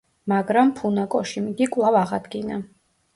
მაგრამ ფუნაკოშიმ იგი კვლავ აღადგინა.